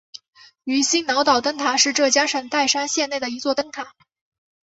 鱼腥脑岛灯塔是浙江省岱山县境内的一座灯塔。